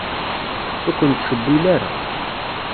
Ur ken-nettcewwil ara.